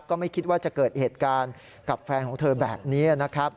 ก็ไม่คิดว่าจะเกิดเหตุการณ์กับแฟนของเธอแบบนี้นะครับ